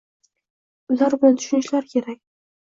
Ular buni tushunishlari kerak.